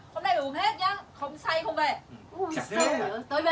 hôm nay uống hết nhá